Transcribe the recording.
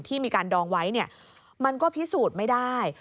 ที่มีการดองไว้มันก็พิสูจน์ไม่ได้